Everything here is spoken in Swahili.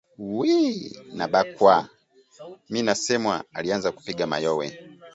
“Uwiiiiii” Nabakwaaa!” Me Masewa alianza kupiga mayowe